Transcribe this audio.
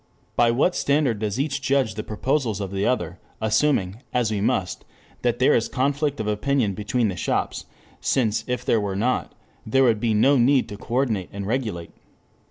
By what standard does each judge the proposals of the other, assuming, as we must, that there is conflict of opinion between the shops, since if there were not, there would be no need to coordinate and regulate?